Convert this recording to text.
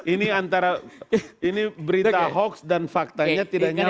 ini antara berita hoax dan faktanya tidak nyambung